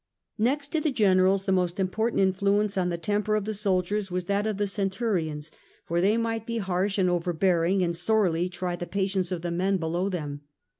Next to the generals the most important influence on the temper of the soldiers was that of the centurions, for they might be harsh and overbearing and sorely try the patience of the men below them.